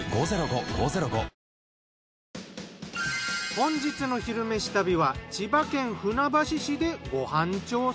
本日の「昼めし旅」は千葉県船橋市でご飯調査。